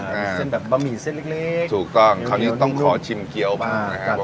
เส้นแบบบะหมี่เส้นเล็กเล็กถูกต้องคราวนี้ต้องขอชิมเกี้ยวบ้างนะครับ